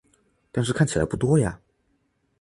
但是看起来不多呀